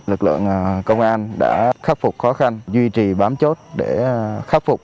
lực lượng công an đã khắc phục khó khăn duy trì bám chốt để khắc phục